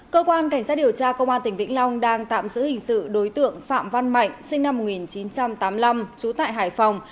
cơ quan cảnh sát điều tra công an tỉnh vĩnh long đang tạm giữ hình sự đối tượng phạm văn mạnh sinh năm một nghìn chín trăm tám mươi năm trú tại hải phòng